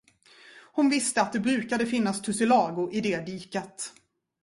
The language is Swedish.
Hon visste att det brukade finnas tussilago i det diket.